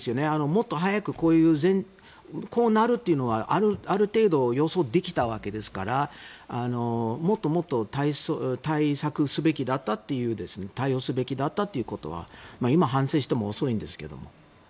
もっと早くこうなるというのはある程度予想できたわけですからもっともっと対応すべきだったっていうことは今、反省しても遅いんですけども。